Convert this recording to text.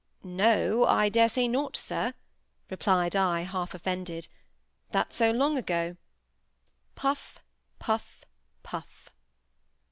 "No, I dare say not, sir," replied I, half offended; "that's so long ago." Puff—puff—puff.